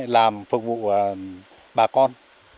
làm phục vụ bà con